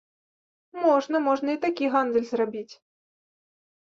Можна, можна і такі гандаль зрабіць.